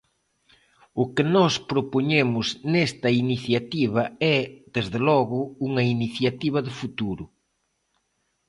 O que nós propoñemos nesta iniciativa é, desde logo, unha iniciativa de futuro.